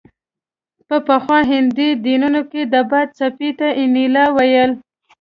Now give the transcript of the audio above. په پخواني هندي دینونو کې د باد څپې ته انیلا ویل